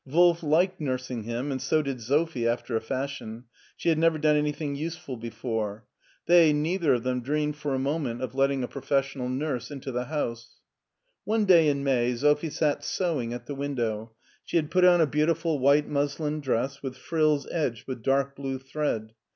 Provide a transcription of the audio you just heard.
Wolf liked nursing him, and so did Sophie after a fashion ; she had never done anything useful before. They neither of them dreamed for a moment of letting a professional nurse into the house. One day in May, Sophie sat sewing at the window ; she had put on a beautiful white muslin dress with frills edged with dark blue thread.